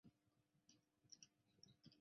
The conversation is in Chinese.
现在则是音乐会和电影节的会场。